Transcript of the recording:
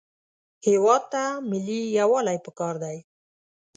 هېواد ته ملي یووالی پکار دی